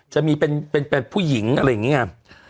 จะมีเป็นผู้หญิงอะไรอย่างนี้ไง